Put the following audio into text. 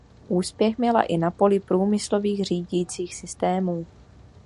Úspěch měla i na poli průmyslových řídících systémů.